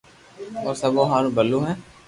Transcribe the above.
او سبو ھارو ڀلو ھي